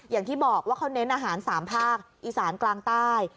อย่างที่บอกว่าเขาเน้นอาหาร๓ภาคอีสานกลางใต้